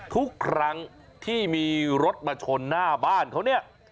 ทุกครั้งที่มีรถมาชนหน้าบ้านเขาเนี่ย